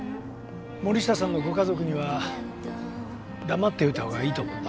森下さんのご家族には黙っておいた方がいいと思うんだ。